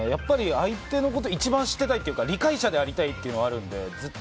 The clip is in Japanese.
相手のことを一番知ってたいというか理解者でありたいというのがあるので。